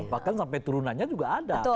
bahkan sampai turunannya juga ada